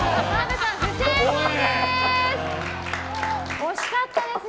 惜しかったですね。